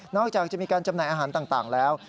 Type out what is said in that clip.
จากจะมีการจำหน่ายอาหารต่างแล้ว